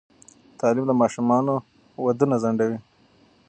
تعلیم د ماشومانو ودونه ځنډوي.